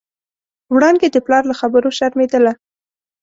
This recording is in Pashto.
وړانګې د پلار له خبرو شرمېدله.